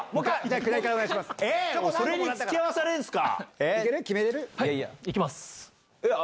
それに付き合わされるんすか？